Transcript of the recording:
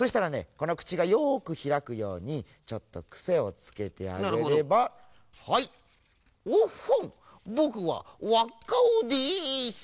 このくちがよくひらくようにちょっとクセをつけてあげればはい「オッホンぼくはわっカオです」。